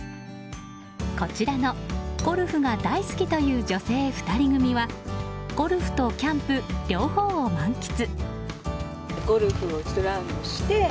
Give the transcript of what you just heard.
こちらのゴルフが大好きという女性２人組はゴルフとキャンプ両方を満喫。